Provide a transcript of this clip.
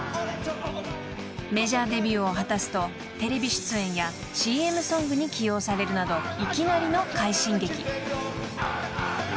［メジャーデビューを果たすとテレビ出演やＣＭソングに起用されるなどいきなりの快進撃］